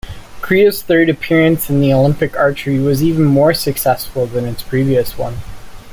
Korea's third appearance in Olympic archery was even more successful than its previous one.